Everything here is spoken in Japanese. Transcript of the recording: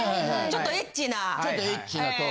ちょっとエッチなトーク。